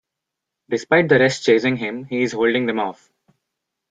Despite the rest chasing him he is holding them off.